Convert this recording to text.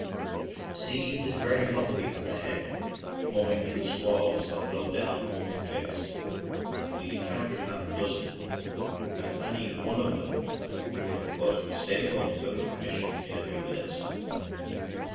The sea is very lumpy at the head, owing to the squalls that blow down over the cliffs ; we encountered half a dozen, and any one of them would have put a sailboat out of commission in a few minutes.